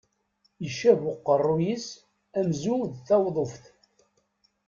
Icab uqerruy-is amzu d tawḍuft.